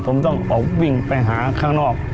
ผมต้องออกวิ่งไปหาข้างนอก